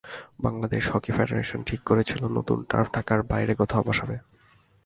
Bangladesh hockey federation ঠিক করেছিল নতুন টার্ফ ঢাকার বাইরে কোথাও বসাবে।